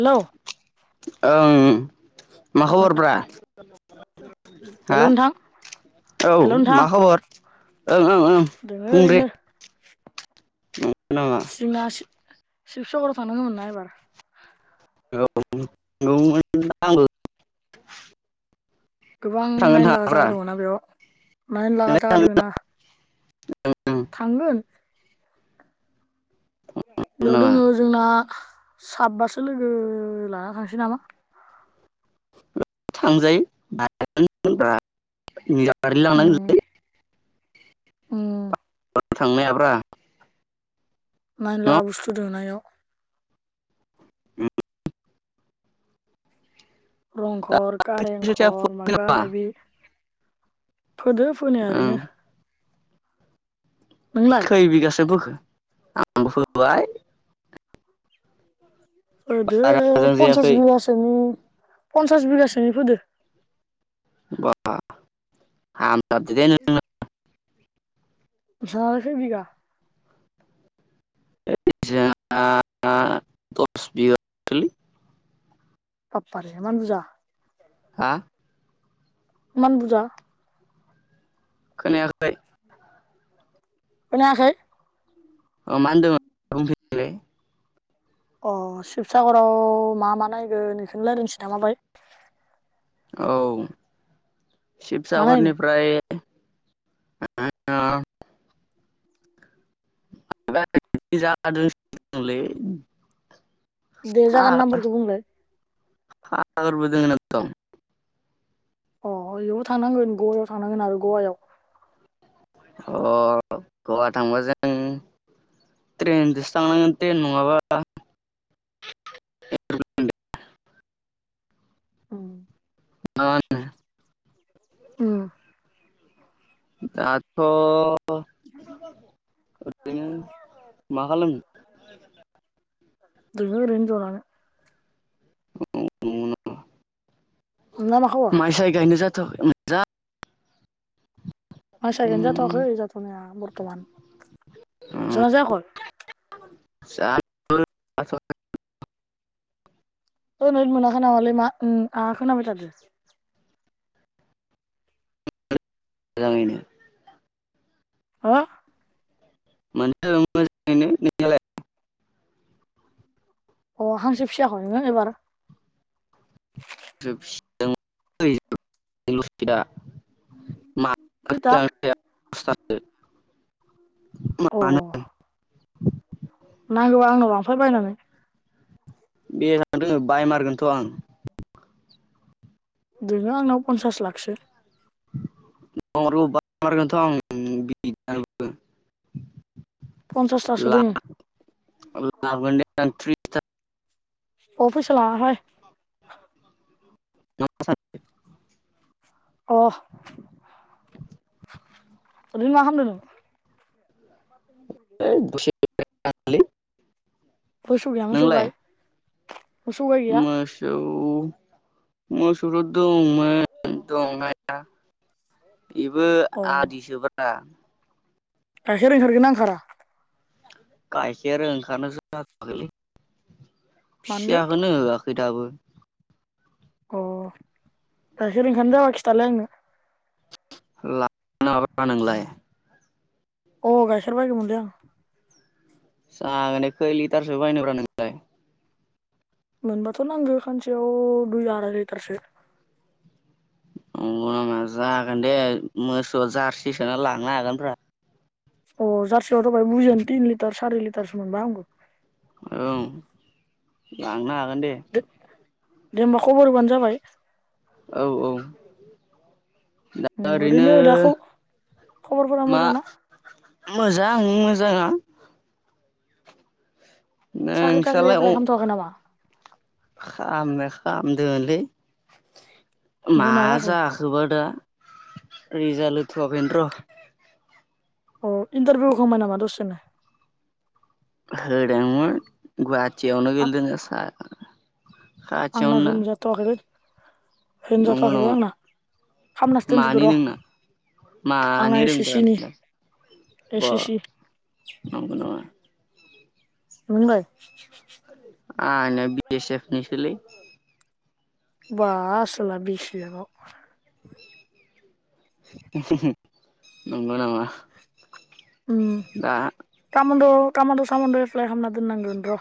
Hello ओं मा खबरब्रा? [unintelligible] हा हेलौ नोंथां औ हेलौ नोंथां मा खबर ओं ओं ओं बुं दे। [unintelligible] शिब सागराव थांनांगौमोन ना एबार। [unintelligible] [unintelligible] गोबां थांगोन नायनोला जागा थाङाब्रा दङ ना बेयाव। नायनो लागा जागा नोंलाय दोङो ना थांगोन। बेयाव नामा दोङो जोंना साबबासो लोगो लाना थांसै नामा। [inaudible] थांजायो [inaudible] उम गारलानो [unintelligible] उम। [inaudible] थांनायाब्रा। नायनोलागा बुस्थु दोङोना बेयाव । [unintelligible] रंघर कारेंघर मायबा मायबि। फोदो फोनाया ओं ओरैनो। नोंलाय खै बिगासो बोखो। आंबो फोबाय। ओ दो बारा मोजां पन्सास जायाखै बिगासोनि। पनसास बिगासोनि फोदो। [unintelligible] [unintelligible] [inaudible] नोंसालाय खै बिगा [unintelligible] दसबिगा [unintelligible] बापपारे एमान बुजा। हा। मान बुजा। खोनायाखै। खोनायाखै। ओ मा होनदोमोन बुंफिनलाय। अह शिबसागराव मा मा नायगोन इखोनो लायरायनोसैनामा बाहाय। औ। मा नायनो शिबसागरनिफ्राय [unintelligible] [unintelligible] लै। दे जागानि नामफोरखो बुंलाय। [unintelligible] अ' गयावबो थांनांगोन गवायाव थांनांगोनआरो गवायाव। अह गवाथांब जों ट्रेनजोसो थांनांगोन ट्रेन नङाबा [unintelligible] उम उम। दाथ [unintelligible] माखालामनो। दोङो ओरैनो जनानै। [inaudible] नोंना मा खबर माइ साय गायनो जाद [unintelligible] [unintelligible] जाथवाखै जाथनाया बरतमान नोरसोरनिया जायाखय? [unintelligible] ओह नेतमोनाखै नामालै मा ओह आह खोनाबायथादो। [unintelligible] हो? मोन्दों मोजाहैनो नोंनियालाय? अह हासो फिसियाखय नोंआरो एबार? [unintelligible] [unintelligible] फै दा [unintelligible] [unintelligible] अ [inaudible] नांगौबा आंनाव लांफै बायनानै बेसां दों बाय मारगोनथ आं दोङो आंनाव पन्सास लाखसो [unintelligible] पन्सासथासो दोङो [unintelligible] अबो सला हाय [unintelligible] अ ओरैनो मा खालामदों नों? [unintelligible] बसु गौया मोसौ नोंलाय गाय मोसौ गाय गैया मोसौ औ म [unintelligible] दंमोन दंनाया बेबो अ आदिसोब्रा गाइखेर ओंखार गोनना ओंखारा? गायखेर ओंखारनो जायाखैलि मानोलै फिसा खोनो होआ खैदाबो अ गाइखेर ओंखानो जाब खिथालाय आंनो [unintelligible] नोंलाय अ गायखेर बायगोमोन लै आं जागोने खै लिटारसो बायनब्रा नोंलाय? मोनबाथ नांगो खानसेयाव दुइ आरा लिटारसो अंगौ नामा जागोन दे मोसौआव जारसि सोना लांनो हागोन फ्रा अ जारसियाव थाबाय बुजायान तिन लिटार सारि लिटारसो मोनबा आंखौ औओ लांनो हागोन दे दे होमबा खबर होबानो जाबाय औ औ ओरैनो दाखौ खबरफोरा मा मोजां ना? मोजां मोजाङा साख्रि थाखाख्रि एप्लाइ खालामथवाखै नामा खाम खाम दलै मा ओमफ्राय जाखो जाखोबा दा रिजालथ होथ'आखैनो र' अ इन्टारभिउखौमाय नामा दससेनो होदोंमोन बाद जे आवनो आं गिलदोंनो सा आंना खाथियावनोना होनो जाथ'आखैलै। नंगौ होनोजाथवाखैलै नामा आंना खामनासो दोनथदो मानि र नोंना मानि आंना एस सि रोंब्रा सि नि नोंलाय एस बा सि सि नंगौ नामा नोंलाय? आ ना बि एस एफ निसोलै बा आसोला बि एस एफ आव नंगौ नामा। उम दा कामनद कामानद सामद एप्लाय खामना दोननांगोन र।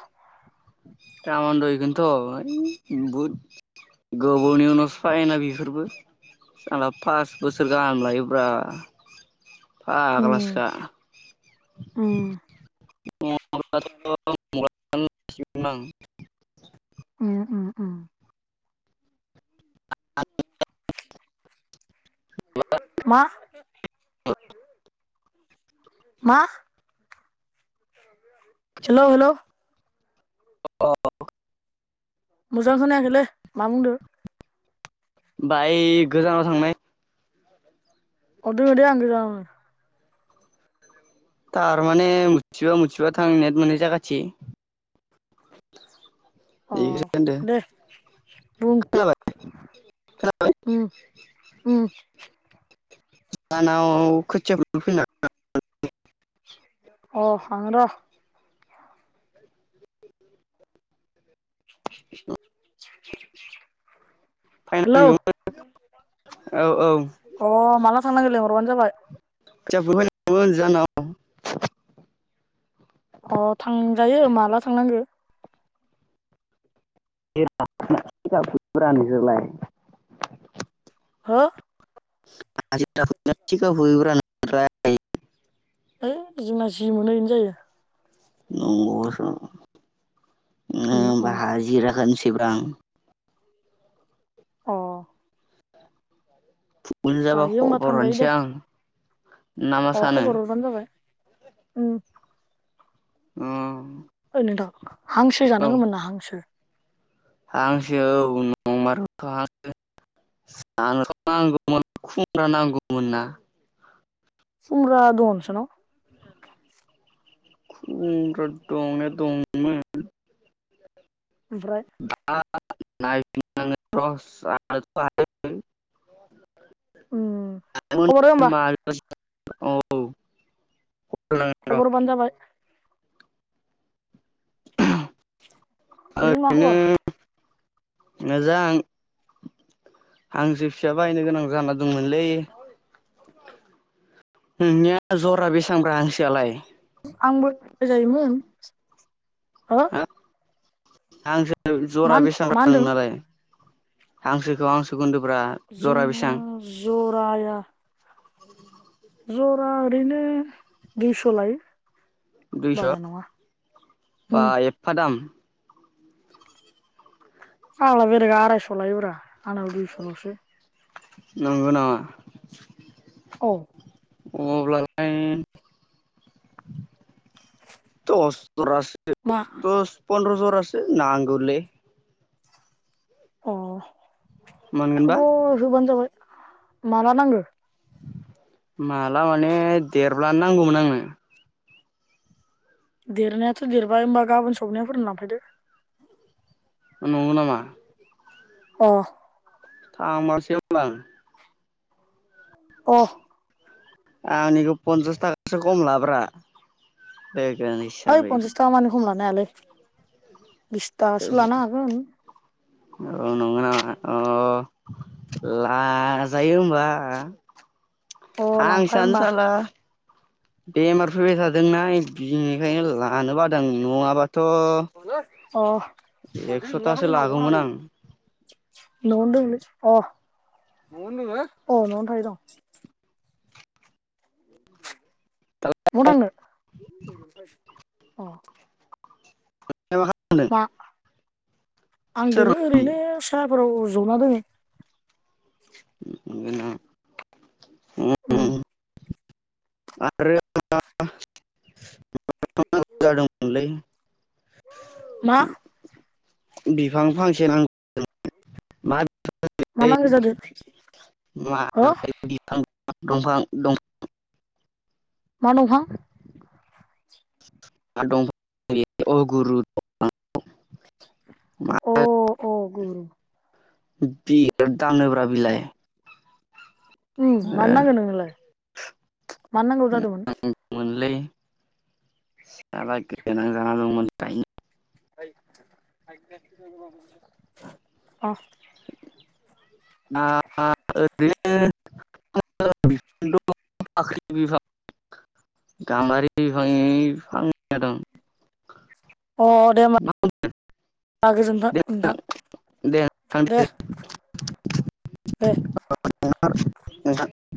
कामनद एखोनोथ ऐ बहुद गोबावनि उनावसो फायोना बेफोरबो पास बोसोर गाहाम लायोब्रा। उम फाग्लासोखा उम [unintelligible] [unintelligible] उम उम उम। [unintelligible] मा? [inaudible] मा? Hello hello. अह। मोजां खोनायाखैलै मा बुंदो बाय गोजानाव थांनाय अह दोङोदे आं गोजानावनो। थारमाने मुथिबा मुथिबा थां नेट मोननाय जागाथि। अह बेखौसो होनदो दे बुं खोनाबाय उम उम। दानाव खोथिया [unintelligible] अह [unintelligible] [unintelligible] [inaudible] अह माला थांनांगो लेंह बानो जाबाय। खोथिया फुनो फायनांगोमोन जानाव। अह थांजायो माला थांनांगो। [unintelligible] हो। हाजिरा फुयोना थिका फुयोब्रा नोंसोरलाय है जोंना जि मोनो इनो जायो। नंगौ नो उम होमबा उम हाजिराखोनस [unintelligible] अ फुनोजाबा जायो होमबा खबर थांजायो दे हनसै आं ना मा अ सानो खबर हरबानो जाबाय उम उम ओइ नोंथां हांसो औ जानांगोमोन ना हांसो हांसो बु नंमारगौथ हांसो जानोथ' नांगौ मोन खुमब्रा नांगौमोन ना खुमब्रा दंङ नोंसानाव? खुमब्रा दंनाया दंमोन ओमफ्राय [unintelligible] नायफिन नांगोन र उम खबर हो होमबा [unintelligible] [unintelligible] औ खबर होबानो जाबाय ओरैनो मा खबर मोजां हांसो फिसा बायनो गोनां जाना दंमोनलै नोंनिया जरा बेसांब्रा हांसोआलाय? आंबो [unintelligible] जायोमोन हो हा हांसो मा जरा मा बेसांब्रा होनदों नोंनालाय हांसोखौ हांसोखौ होनदो ब्रा जरा बेसां? आया। [inaudible] जरा ओरैनो दुइस' लायो। दुइस' बारा नङा बा उम एफा दाम। फाग्ला बेलेगा आरायस' लायोब्रा आंना दुइस'लसो। नोंगो नामा? औ। अब्लालाय टस जरासे मा दस पनद्रज जरासे नांगौलै। अह। मोनगोन मोनबा खबर होबानो जाबाय। माला नांगो? माला माने देरब्लानो नांगौमोन आंनो। देरनायाथ' देरबाय ओमबा गाबोन सबनियाफोरनो लांफैदो। नंगौ नामा? अह। थांमारसै ओमबा आं। अह। आंनिखौ पनसास थाखासो खम लाब्रा। [unintelligible] ओइ हिसाबै। पन्सास थाखा मानि खम लानो हायालै। बिसथाखासो लानो हागोन। औ नंगो नामा अह लाजायो ओमबा। अ लांफाय होमबा हांसोयानो बेमार फैबाय थादोंना इ-बिनिखायनो लानो बादों आं नङाबा थ' अह। न'आवनो आं दोङोलै अह न'आव दोङो अह न'आवनो थायो दं। दालाय म थांनो? अह। दा मा खालामदों? आं सोर दोङो ओरैनो साफोराव जना दोङो। नोंगो नामा? उम आरो [unintelligible] [unintelligible] मोनलै मा? बिफां फांसे [unintelligible] मा मा बिलाइ नांगो जादो ह दंफां-दंफां मा दंफां [unintelligible] [unintelligible] अ अ गुरु बिराद दांनोब्रा बिलाय उम मानो नांगो नोंनोलाय मानो नांगौ जादोंमोन? [unintelligible] [unintelligible] गोनां जाना दंमोन। [unintelligible] [unintelligible] अह [unintelligible] [unintelligible] गाम्बारि बिफांनि [unintelligible] दं उह दे होमबा गोजोनथों दे नोंथां दे दे नोंथां दे [unintelligible]